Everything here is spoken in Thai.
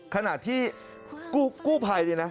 ขณะที่กู้ภัยเนี่ยนะ